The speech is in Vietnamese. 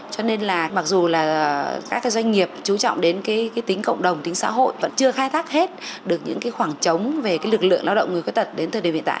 cho nên là mặc dù là các doanh nghiệp chú trọng đến tính cộng đồng tính xã hội vẫn chưa khai thác hết được những khoảng trống về lực lượng lao động người khuyết tật đến thời điểm hiện tại